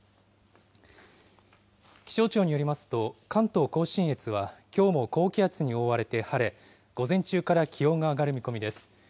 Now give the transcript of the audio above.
気象庁によりますと、関東甲信越はきょうも高気圧に覆われて晴れ、午前中から気温が上がる見込みです。